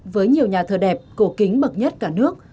với nhiều nhà thờ đẹp cổ kính bậc nhất cả nước